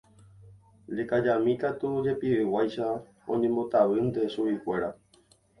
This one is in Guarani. Lekajami katu jepiveguáicha oñembotavýnte chuguikuéra.